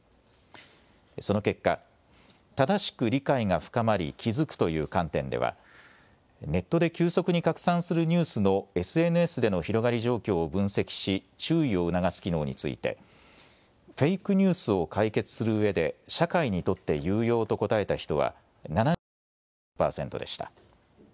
その結果、正しく理解が深まり気付くという観点ではネットで急速に拡散するニュースのＳＮＳでの広がり状況を分析し注意を促す機能についてフェイクニュースを解決するうえで社会にとって有用と答えた人は７１．３％でした。